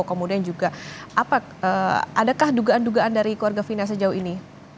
kemudian juga adakah dugaan dugaan dari keluarga fina sejauh ini